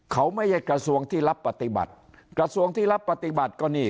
เขาไม่ใช่กระทรวงที่รับปฏิบัติกระทรวงที่รับปฏิบัติก็นี่